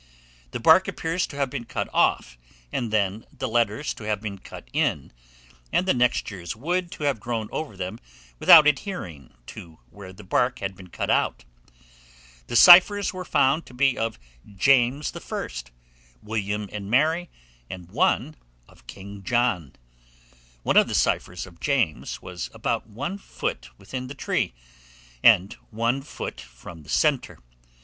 The bark appears to have been cut off, and then the letters to have been cut in, and the next year's wood to have grown over them without adhering to where the bark had been cut out. The ciphers were found to be of James I., William and Mary, and one of King John. One of the ciphers of James was about one foot within the tree, and one foot from the centre.